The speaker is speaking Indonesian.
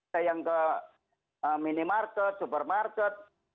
ke minimarket supermarket